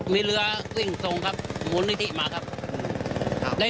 มีเรือวิ่งส่งครับหมุนที่มาครับ